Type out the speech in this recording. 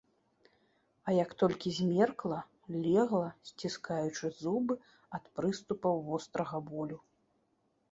А як толькі змеркла, легла, сціскаючы зубы ад прыступаў вострага болю.